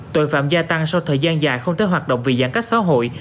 tội phạm gia tăng sau thời gian dài không tới hoạt động vì giãn cách xã hội